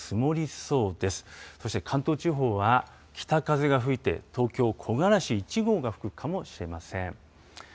そして関東地方は、北風が吹いて、東京、木枯らし１号が吹くかもしれません。